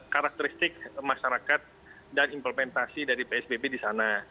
karakteristik masyarakat dan implementasi dari psbb di sana